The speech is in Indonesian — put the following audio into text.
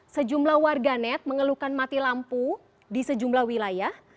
sejumlah warganet mengeluhkan mati lampu di sejumlah wilayah